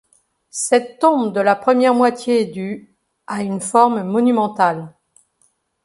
Cette tombe de la première moitié du a une forme monumentale.